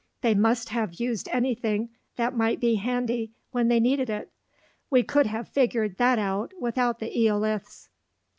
They must have used anything that might be handy when they needed it. We could have figured that out without the "eoliths."